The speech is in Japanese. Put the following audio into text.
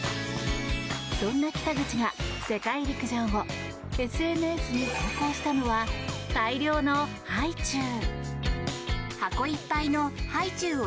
そんな北口が世界陸上後ＳＮＳに投稿したのは大量のハイチュウ。